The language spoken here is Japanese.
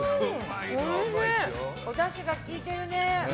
おだしが効いているね。